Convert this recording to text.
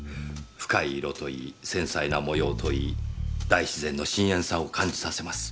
深い色といい繊細な模様といい大自然の深遠さを感じさせます。